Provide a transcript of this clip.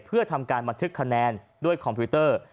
เพื่อทำการบันทึกคะแนนด้วยคอมพิวเตอร์